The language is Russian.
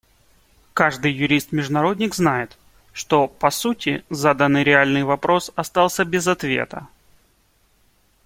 Каждый юрист-международник знает, что, по сути, заданный реальный вопрос остался без ответа.